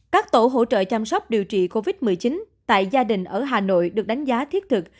các tổ hỗ trợ chăm sóc điều trị covid một mươi chín tại gia đình ở hà nội được đánh giá thiết thực